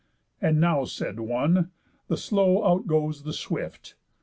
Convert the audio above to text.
"And now," said one, "The slow outgoes the swift.